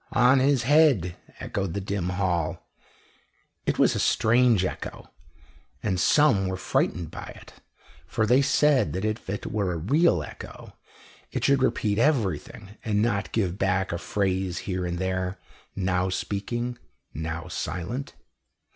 "On his head!" echoed the dim hall. It was a strange echo, and some were frightened by it, for they said that if it were a real echo it should repeat everything and not give back a phrase here and there, now speaking, now silent.